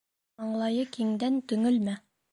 Маңлайы киңдән төңөлмә